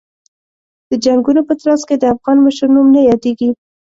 د جنګونو په ترڅ کې د افغان مشر نوم نه یادېږي.